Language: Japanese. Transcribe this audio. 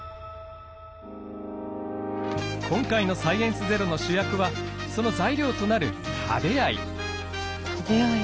今回の「サイエンスＺＥＲＯ」の主役はその材料となるタデアイ。